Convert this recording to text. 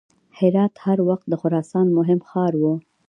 هرات هر وخت د خراسان مهم ښار و.